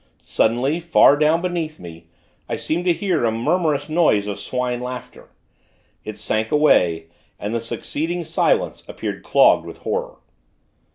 Suddenly, far down beneath me, I seemed to hear a murmurous noise of Swine laughter. It sank away, and the succeeding silence appeared clogged with horror.